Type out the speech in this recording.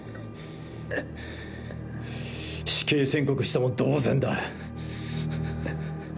死刑宣告したも同然だ。